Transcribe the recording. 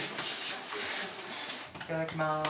いただきます。